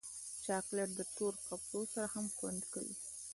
چاکلېټ له تور کپړو سره هم خوند کوي.